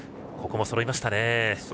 ここもそろいましたね。